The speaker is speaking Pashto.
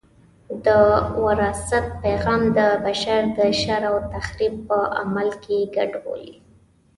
د وراثت پیغام د بشر د شر او تخریب په عمل کې ګډ بولي.